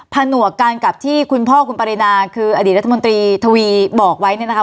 ผนวกกันกับที่คุณพ่อคุณปรินาคืออดีตรัฐมนตรีทวีบอกไว้เนี่ยนะคะ